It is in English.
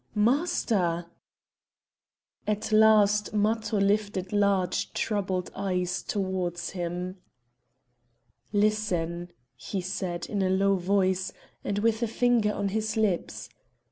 master!" At last Matho lifted large troubled eyes towards him. "Listen!" he said in a low voice, and with a finger on his lips.